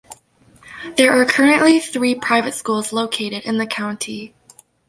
There are currently three private schools located in the county.